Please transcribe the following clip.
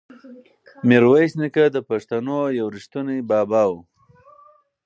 میرویس نیکه د پښتنو یو ریښتونی بابا و.